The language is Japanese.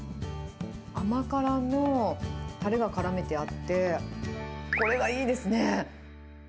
甘辛のたれがからめてあって、これはいいですね。